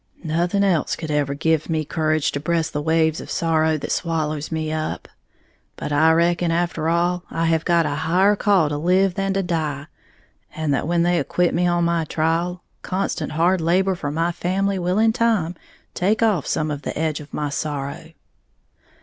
Nothing else could ever give me courage to breast the waves of sorrow that swallows me up. But I reckon, after all, I have got a higher call to live than to die; and that, when they acquit me on my trial, constant hard labor for my family will in time take off some of the edge of my sorrow."